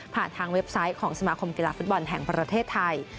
ทางเว็บไซต์ของสมาคมกีฬาฟุตบอลแห่งประเทศไทย